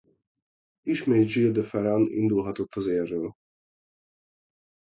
Ismét Gil de Ferran indulhatott az élről.